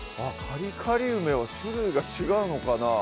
カリカリ梅は種類が違うのかなぁ？